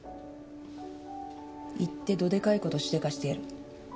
行ってどデカいことしでかしてやる。